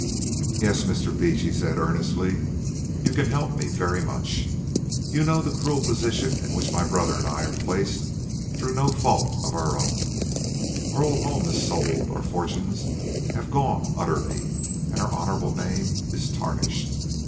"Yes, Mr. Beach," he said earnestly, "you can help me very much. You know the cruel position in which my brother and I are placed through no fault of our own: our old home is sold, our fortunes have gone utterly, and our honourable name is tarnished.